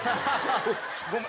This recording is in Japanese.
ごめん。